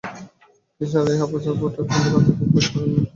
খ্রীষ্টানরা ইহা প্রচার করেন বটে, কিন্তু কার্যত অভ্যাস করেন না।